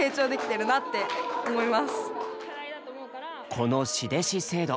この「師弟子制度」。